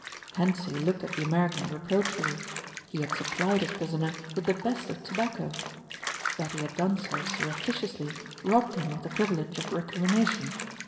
Hentzi looked at the American reproachfully. He had supplied his prisoner with the best of tobacco. That he had done so surreptitiously robbed him of the privilege of recrimination.